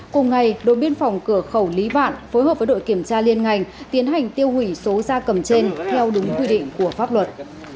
cùng ngày đội biên phòng cửa khẩu lý vạn phối hợp với đội kiểm tra liên ngành tiến hành tiêu hủy số ra cầm trên theo đúng quy định của pháp luật